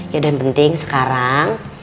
yaudah yang penting sekarang